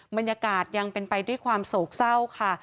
บรรยากาศยังเป็นไปด้วยความโศกเศร้าค่ะ